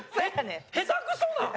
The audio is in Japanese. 下手くそなん？